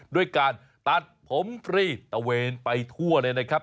ด้วยการตัดผมฟรีตะเวนไปทั่วเลยนะครับ